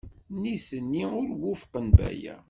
Nitni ur wufqen Baya.